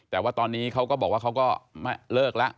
แต่ว่าตอนนี้เขาก็บอกว่าเขาก็เลิกแล้ว